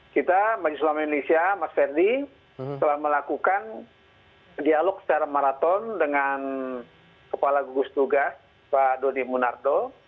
kita majelis ulama indonesia mas ferdi telah melakukan dialog secara maraton dengan kepala gugus tugas pak dodi munardo